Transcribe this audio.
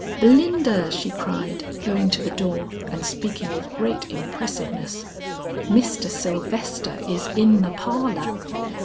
"Belinda," she cried, going to the door and speaking with great impressiveness, "Mr. Sylvester is in the parlor."